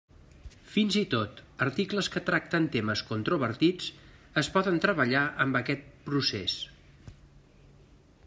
Fins i tot, articles que tracten temes controvertits es poden treballar amb aquest procés.